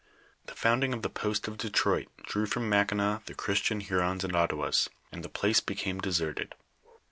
The founding of the post of Detroit drew from Mackinaw the Christian Hurons and Ottawas, and the place became deserted.